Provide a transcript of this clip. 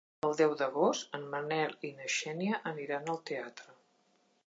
El deu d'agost en Manel i na Xènia aniran al teatre.